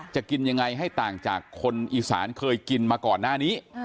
จะกินยังไงให้ต่างจากคนอีสานเคยกินมาก่อนหน้านี้